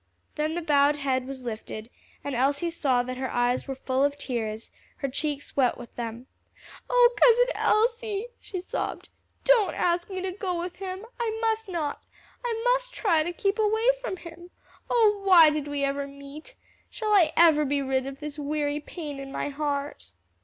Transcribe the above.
Then the bowed head was lifted, and Elsie saw that her eyes were full of tears, her cheeks wet with them. "Oh, Cousin Elsie," she sobbed, "don't ask me to go with him. I must not. I must try to keep away from him. Oh, why did we ever meet? Shall I ever be rid of this weary pain in my heart?"